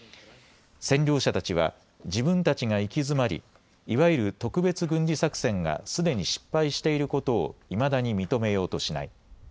占領者たちは自分たちが行き詰まり、いわゆる特別軍事作戦がすでに失敗していることをいまだに認めようとしない。